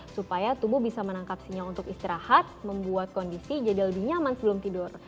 supaya tubuh bisa menangkap sinyal untuk istirahat membuat kondisi jadi lebih nyaman sebelum tidur